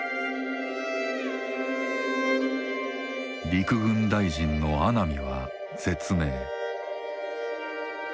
陸軍大臣の阿南は絶命。